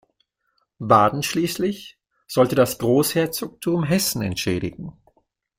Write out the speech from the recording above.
Baden schließlich sollte das Großherzogtum Hessen entschädigen.